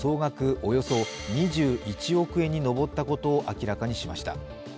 およそ２１億円に上ったことを明らかにしました。